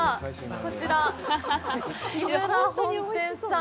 こちら、木村本店さん。